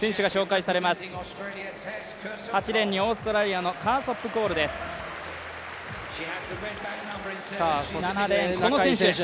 ８レーンにオーストラリアのカーソップ・コール選手です。